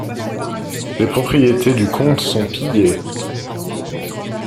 Les propriétés du comte sont pillées.